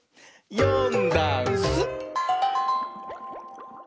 「よんだんす」